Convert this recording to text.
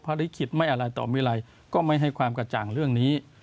ลิขิตไม่อะไรต่อไม่ไรก็ไม่ให้ความกระจ่างเรื่องนี้